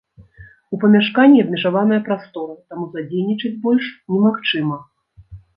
У памяшканні абмежаваная прастора, таму задзейнічаць больш немагчыма.